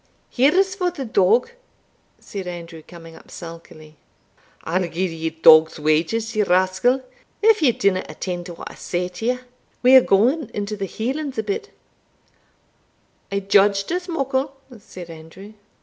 "Here is for the dog." said Andrew, coming up sulkily. "I'll gie you dog's wages, ye rascal, if ye dinna attend to what I say t'ye We are gaun into the Hielands a bit" "I judged as muckle," said Andrew.